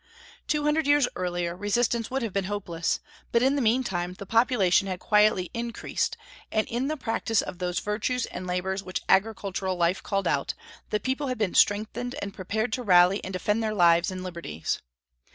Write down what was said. Two hundred years earlier, resistance would have been hopeless; but in the mean time the population had quietly increased, and in the practice of those virtues and labors which agricultural life called out, the people had been strengthened and prepared to rally and defend their lives and liberties.